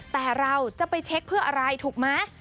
แต่เราจะไปเช็คเพื่ออะไรถูกไหม